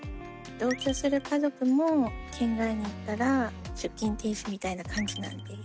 同居する家族も県外に行ったら出勤停止みたいな感じなんで。